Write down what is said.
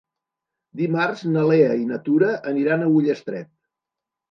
Dimarts na Lea i na Tura aniran a Ullastret.